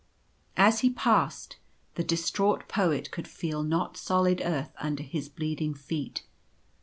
As he passed, the distraught Poet could feel not solid earth under his bleeding feet.